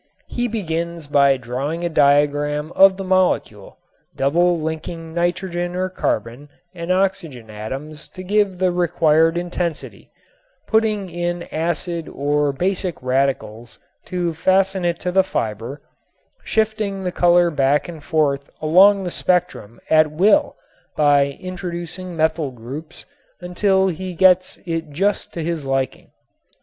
He begins by drawing a diagram of the molecule, double linking nitrogen or carbon and oxygen atoms to give the required intensity, putting in acid or basic radicals to fasten it to the fiber, shifting the color back and forth along the spectrum at will by introducing methyl groups, until he gets it just to his liking.